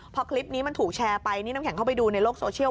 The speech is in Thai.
พอคลิปนี้มันถูกแชร์ไปนี่น้ำแข็งเข้าไปดูในโลกโซเชียล